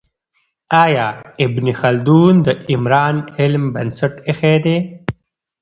آیا ابن خلدون د عمران علم بنسټ ایښی دی؟